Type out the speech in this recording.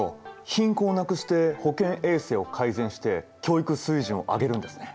貧困をなくして保健衛生を改善して教育水準を上げるんですね。